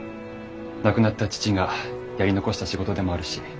亡くなった父がやり残した仕事でもあるし。